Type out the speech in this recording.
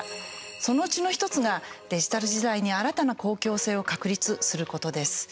そのうちの１つがデジタル時代に新たな公共性を確立することです。